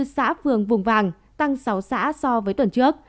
hai mươi bốn xã phường vùng vàng tăng sáu xã so với tuần trước